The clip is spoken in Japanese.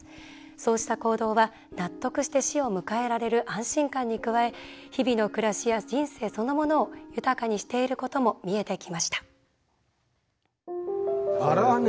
そうした行動は、納得して死を迎えられる安心感に加え日々の暮らしや人生そのものを豊かにしていることも見えてきました。